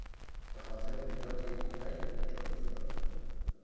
به خاطرنجات یک کودک به او جایزه دادند.